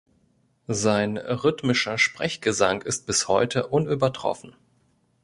Sein rhythmischer Sprechgesang ist bis heute unübertroffen.